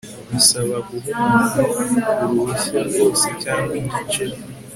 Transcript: bisaba guha muntu uruhushya rwose cyangwa igice